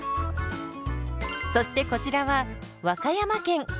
そしてこちらは和歌山県。